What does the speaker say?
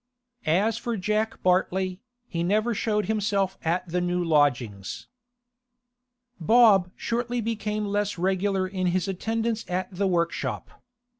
As for Jack Bartley, he never showed himself at the new lodgings. Bob shortly became less regular in his attendance at the workshop.